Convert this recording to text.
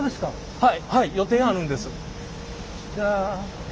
はい。